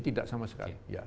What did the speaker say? tidak sama sekali